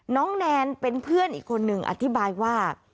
แนนเป็นเพื่อนอีกคนนึงอธิบายว่า